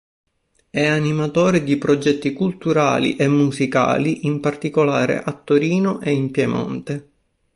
È animatore di progetti culturali e musicali, in particolare a Torino e in Piemonte.